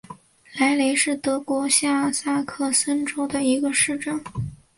莱雷是德国下萨克森州的一个市镇。